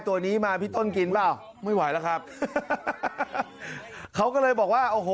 ตัวนี้มาพี่ต้นกินเปล่าไม่ไหวแล้วครับเขาก็เลยบอกว่าโอ้โห